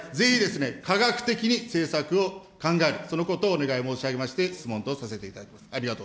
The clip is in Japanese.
ぜひ科学的に政策を考える、そのことをお願い申し上げまして、質問とさせていただきます。